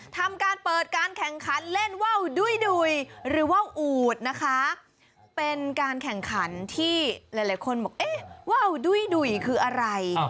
ทำการเปิดการแข่งขันเล่นว่าวดุ้ยหรือว่าวอูดนะคะเป็นการแข่งขันที่หลายคนบอกเอ๊ะว่าวดุ้ยดุ่ยคืออะไร